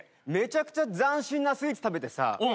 めちゃくちゃ斬新なスイーツ食べてさ。